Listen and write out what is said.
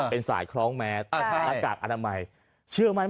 เป็นสายคล้องแมท